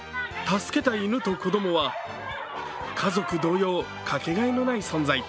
助けた犬と子供は家族同様かけがえのない存在。